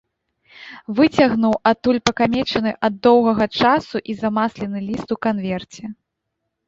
Выцягнуў адтуль пакамечаны ад доўгага часу і замаслены ліст у канверце.